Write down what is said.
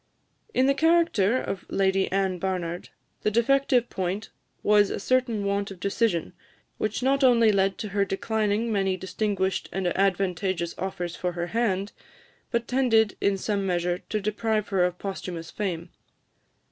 In the character of Lady Anne Barnard, the defective point was a certain want of decision, which not only led to her declining many distinguished and advantageous offers for her hand, but tended, in some measure, to deprive her of posthumous fame.